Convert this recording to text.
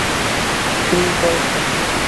کې دی